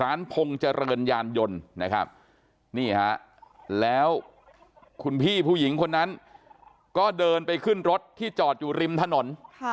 พงษ์เจริญยานยนต์นะครับนี่ฮะแล้วคุณพี่ผู้หญิงคนนั้นก็เดินไปขึ้นรถที่จอดอยู่ริมถนน